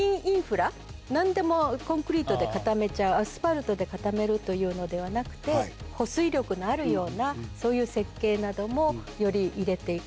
何でもコンクリートで固めちゃうアスファルトで固めるというのではなくて保水力のあるようなそういう設計などもより入れていく。